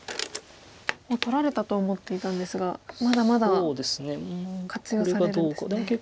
もう取られたと思っていたんですがまだまだ活用されるんですね。